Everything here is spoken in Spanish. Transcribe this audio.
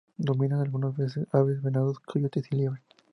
Dominan algunas aves, venado, coyote y liebre.